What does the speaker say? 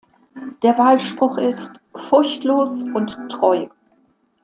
Der Wahlspruch ist "Furchtlos und Treu!